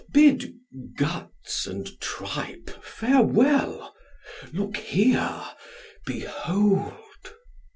Bid guts and tripe farewell! Look here! Behold!